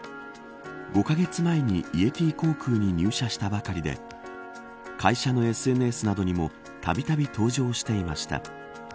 ５カ月前にイエティ航空に入社したばかりで会社のＳＮＳなどにもたびたび登場していました。